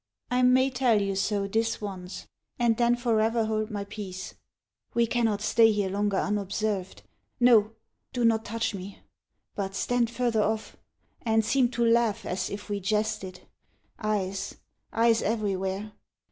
I may tell you so This once, ... and then forever hold my peace. We cannot stay here longer unobserved. No do not touch me! but stand further off, And seem to laugh, as if we jested eyes, Eyes everywhere!